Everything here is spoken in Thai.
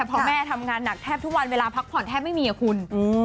พอแม่ทำงานหนักแทบทุกวันเวลาพักผ่อนแทบไม่มีอ่ะคุณ